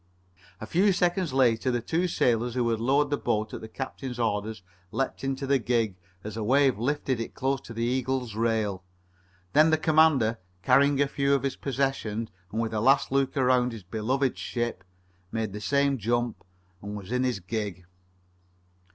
A few seconds later the two sailors who had lowered the boat at the captain's orders leaped into the gig as a wave lifted it close to the Eagle's rail. Then the commander, carrying a few of his possessions and with a last look around his beloved ship, made the same jump and was in his gig.